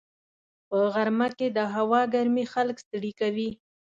په غرمه کې د هوا ګرمي خلک ستړي کوي